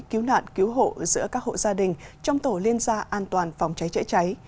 cứu nạn cứu hộ giữa các hộ gia đình trong tổ liên gia an toàn phòng cháy chữa cháy